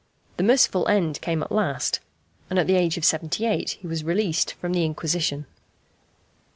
The merciful end came at last, and at the age of seventy eight he was released from the Inquisition.